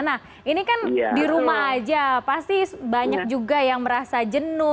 nah ini kan di rumah aja pasti banyak juga yang merasa jenuh